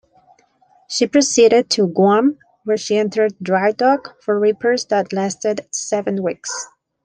She proceeded to Guam, where she entered drydock for repairs that lasted seven weeks.